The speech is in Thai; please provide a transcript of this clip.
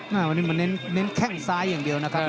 วันนี้มันเน้นแข้งซ้ายอย่างเดียวนะครับ